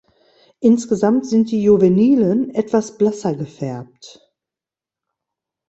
Insgesamt sind die Juvenilen etwas blasser gefärbt.